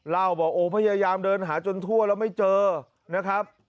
เล่าบอกโอ้พยายามเดินหาจนทั่วแล้วไม่เจอนะครับ